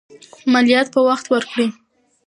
مالیات په وخت ورکړئ.